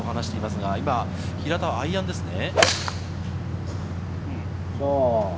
平田はアイアンですね。